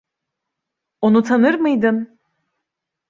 Onu tanır mıydın?